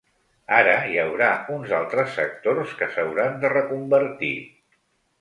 Ara, hi haurà uns altres sectors que s’hauran de reconvertir.